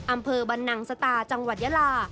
อำเภอบรรนังสตาจังหวัดยาลา